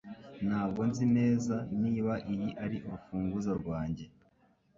Ntabwo nzi neza niba iyi ari urufunguzo rwanjye